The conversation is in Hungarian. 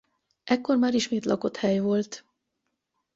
Ekkor már ismét lakott hely volt.